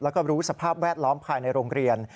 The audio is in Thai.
แล้วก็รู้สภาพแวดล้อมภายในโรงเรียน